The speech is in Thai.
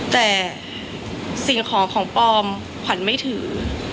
แต่สิ่งของของปลอมขวัญไม่ถือ